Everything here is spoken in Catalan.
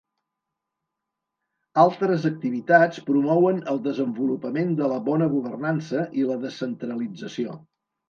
Altres activitats promouen el desenvolupament de la bona governança i la descentralització.